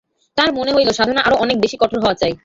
তার মনে হইল, সাধনা আরো অনেক বেশি কঠোর হওয়া চাই।